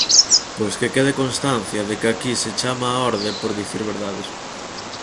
Pois que quede constancia de que aquí se chama á orde por dicir verdades.